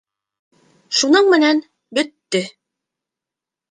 Шуның менән бөттө.